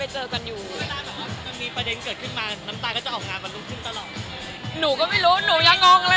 หนูอยากงงเลยอะ